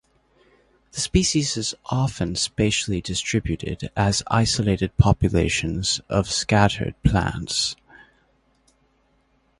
The species is often spatially distributed as isolated populations of scattered plants.